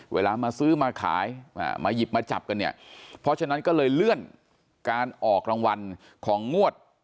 เวลามาซื้อมาขายมาหยิบมาจับกันเนี่ยเพราะฉะนั้นก็เลยเลื่อนการออกรางวัลของงวด